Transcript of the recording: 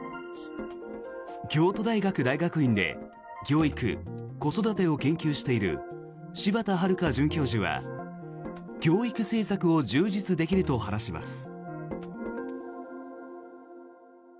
京都大学大学院で教育・子育てを研究している柴田悠准教授は教育政策を充実できると話します。